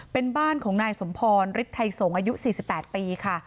เป็นบ้านของนายสมพรฤทธิไทยสงศ์อายุ๔๘ปีค่ะ